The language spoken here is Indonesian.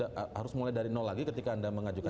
harus mulai dari nol lagi ketika anda mengajukan